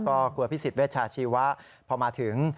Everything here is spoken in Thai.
ก็กลัวพิสิทธเวชาชีวะพอมาถึง